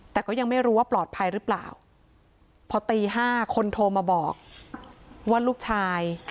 แต่ก็ยังไม่รู้ว่าปลอดภัยหรือเปล่าพอตีห้าคนโทรมาบอกว่าลูกชาย